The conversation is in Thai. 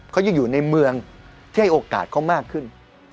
เขาจะอยู่ในเมืองที่ให้โอกาสเขามากขึ้น